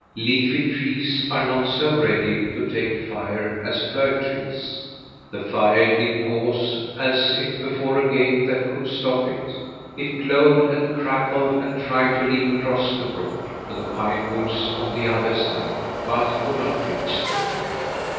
Leafy trees are not so ready to take fire as fir trees. The fire did pause as if before a gate that could stop it. It glowed and crackled and tried to leap across the brook to the pine woods on the other side, but could not reach them.